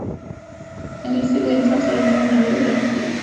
انګلیسي له انسان سره نوې نړۍ پرانیزي